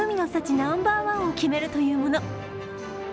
ナンバーワンを決めるというもの。